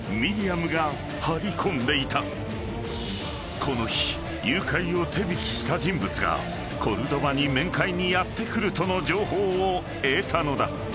［この日誘拐を手引きした人物がコルドバに面会にやって来るとの情報を得たのだ］